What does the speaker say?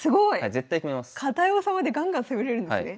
堅い王様でガンガン攻めれるんですね。